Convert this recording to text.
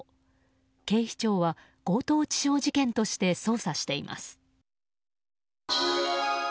警視庁は強盗致傷事件として捜査しています。